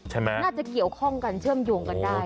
น่าจะเกี่ยวข้องกันเชื่อมโยงกันได้